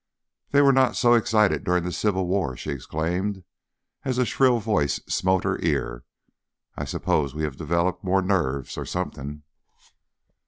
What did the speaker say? "They were not so excited during the Civil War," she exclaimed, as a shrill voice smote her ear. "I suppose we have developed more nerves or something."